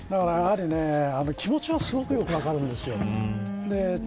気持ちはすごくよく分かります。